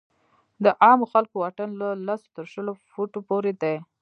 د عامو خلکو واټن له لسو تر شلو فوټو پورې دی.